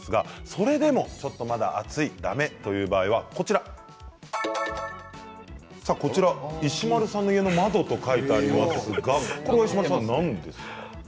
それでもまだ暑いだめという場合は石丸さん、家の窓と書いてありますが何ですか？